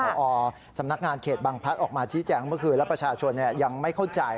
พอสำนักงานเขตบางพลัดออกมาชี้แจงเมื่อคืนแล้วประชาชนยังไม่เข้าใจ